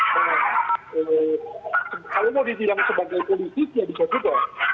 kalau mau dibilang sebagai politik ya bisa juga